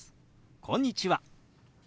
「こんにちは」。